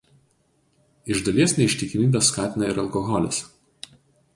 Iš dalies neištikimybę skatina ir alkoholis.